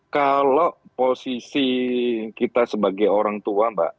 kalau posisi kita sebagai orang tua mbak